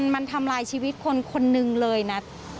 มันทำร้ายชีวิตคนนึงเลยนะ